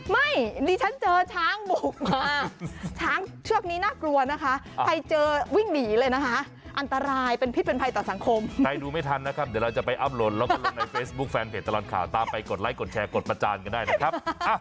ไม่ดิฉันเจอช้างบุกมาช้างเชือกนี้น่ากลัวนะคะใครเจอวิ่งหนีเลยนะคะอันตรายเป็นพิษเป็นภัยต่อสังคมใครดูไม่ทันนะครับเดี๋ยวเราจะไปอัพลนแล้วก็ลงในเฟซบุ๊คแฟนเพจตลอดข่าวตามไปกดไลค์กดแชร์กดประจานกันได้นะครับ